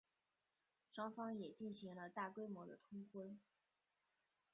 双方也进行了大规模的通婚。